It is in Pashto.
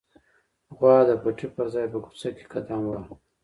غوا د پټي پر ځای په کوڅه کې قدم واهه.